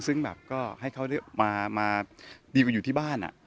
ซึ่งแบบก็ให้เขามาดีลอยู่ที่บ้าน